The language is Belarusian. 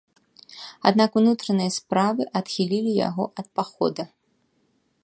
Аднак унутраныя справы адхілілі яго ад пахода.